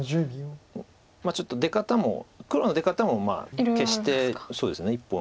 ちょっと出方も黒の出方も決して１本。